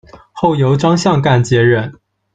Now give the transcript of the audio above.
后由张象干接任。